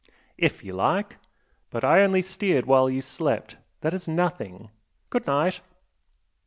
"IF you like! But I only steered while you slept. That is nothing! Good night!"